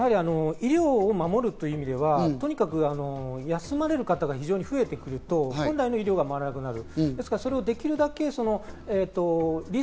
医療を守るという意味ではとにかく休まれる方が非常に増えてくると、本来の医療が回らなくなる。